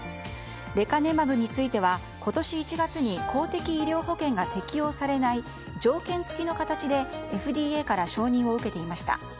レカネマブについては今年１月に公的医療保険が適用されない条件付きの形でＦＤＡから承認を受けていました。